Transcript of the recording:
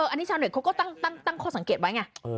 อันนี้ชาวเน็ตเขาก็ตั้งข้อสังเกตไว้ไง